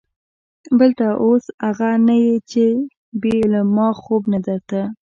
بل ته اوس اغه نه يې چې بې ما خوب نه درته.